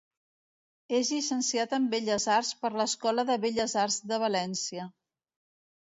És llicenciat en Belles Arts per l'Escola de Belles Arts de València.